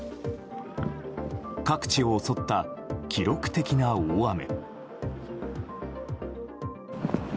各地を襲った記録的な大雨。